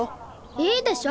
いいでしょ。